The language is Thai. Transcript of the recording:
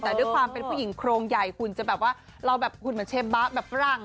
แต่ด้วยความเป็นผู้หญิงโครงใหญ่คุณจะแบบว่าคุณเป็นเชฟบ้าแบบฝรั่ง